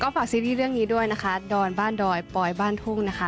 ฝากซีรีส์เรื่องนี้ด้วยนะคะดอนบ้านดอยปลอยบ้านทุ่งนะคะ